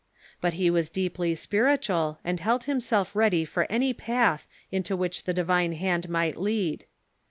But he was deeply spiritual, and held himself ready for any path into which the divine hand might lead.